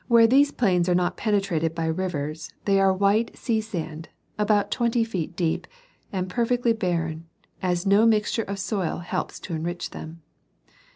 these plains are not penetrated by rivers, they are a white sea sand, about twenty feet deep and perfectly barren, as no mixture of soil helps to enrich them.